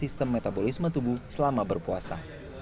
sistem metabolisme tubuh selama berpuasa